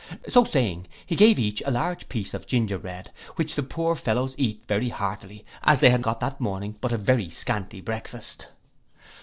So saying, he gave each a large piece of gingerbread, which the poor fellows eat very heartily, as they had got that morning but a very scanty breakfast.